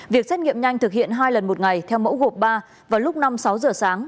việc xét nghiệm nhanh thực hiện hai lần một ngày theo mẫu gộp ba vào lúc năm sáu giờ sáng